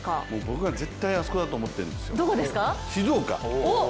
僕は絶対あそこだと思ってるんですよ、静岡。